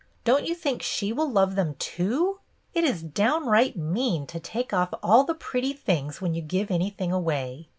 Don't you think she will love them too.? It is down right mean to take off all the pretty things when you give anything away.